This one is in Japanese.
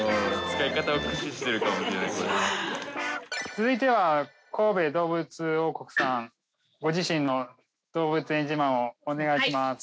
続いては神戸どうぶつ王国さんご自身の動物園自慢をお願いします。